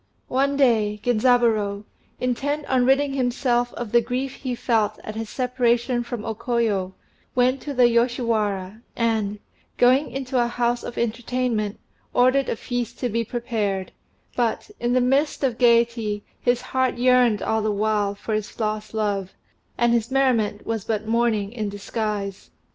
One day Genzaburô, intent on ridding himself of the grief he felt at his separation from O Koyo, went to the Yoshiwara, and, going into a house of entertainment, ordered a feast to be prepared, but, in the midst of gaiety, his heart yearned all the while for his lost love, and his merriment was but mourning in disguise.